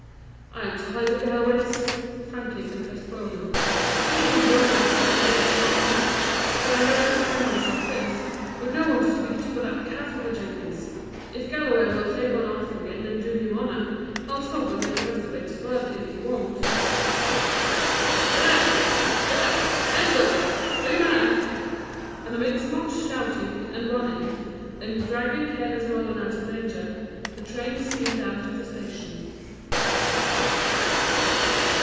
"I am tired of Galloway's," frankly confessed Roland. "I didn't enjoy myself there before Arthur left, but I am ready to hang myself since, with no one to speak to but that calf of a Jenkins! If Galloway will take on Arthur again, and do him honour, I'll stop and make the best of it; but, if he won't " "Back! back! hands off there! Are you mad?" And amidst much shouting, and running, and dragging careless Roland out of danger, the train steamed out of the station.